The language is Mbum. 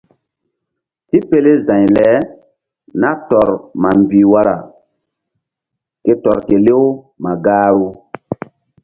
Tipele za̧y le nah tɔr ma mbih wara ke tɔr kelew ma gahru.